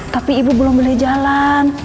tapi ibu belum boleh jalan